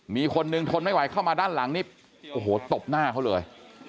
มีคนนึงทนไม่ไหวเข้ามาด้านหลังนี่โอ้โหตบหน้าเขาเลย